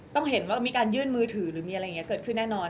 ต้องเห็นว่ามีการยื่นมือถือหรือมีอะไรอย่างนี้เกิดขึ้นแน่นอน